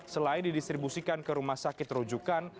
selain didistribusikan ke rumah sakit rujukan